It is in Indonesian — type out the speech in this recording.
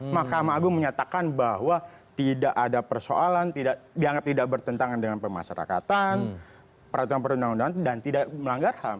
mahkamah agung menyatakan bahwa tidak ada persoalan dianggap tidak bertentangan dengan pemasarakatan peraturan perundang undangan dan tidak melanggar ham